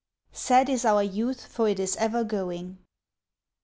SAD IS OUR YOUTH, FOR IT IS EVER GOING.